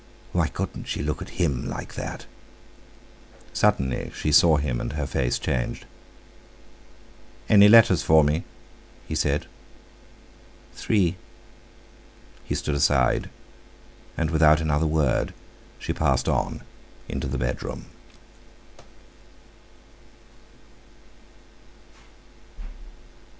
Why couldn't she look at him like that? Suddenly she saw him, and her face changed. "Any letters for me?" he said. "Three." He stood aside, and without another word she passed on into the bedroom.